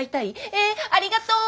えありがと！